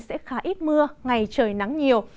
sẽ khá ít mưa ngày trời nắng nhiều